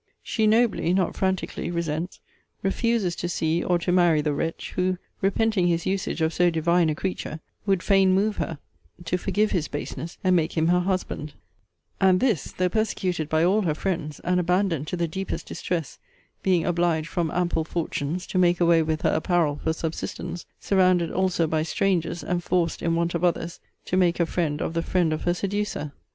She nobly, not franticly, resents: refuses to see or to marry the wretch; who, repenting his usage of so divine a creature, would fain move her to forgive his baseness, and make him her husband: and this, though persecuted by all her friends, and abandoned to the deepest distress, being obliged, from ample fortunes, to make away with her apparel for subsistence; surrounded also by strangers, and forced (in want of others) to make a friend of the friend of her seducer.